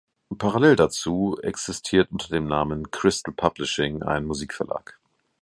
Parallel dazu existiert unter dem Namen "Cristal Publishing" ein Musikverlag.